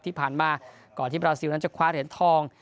ที่ผ่านมาก่อนที่บราซิลนั้นจะคว้าเหรียญทอง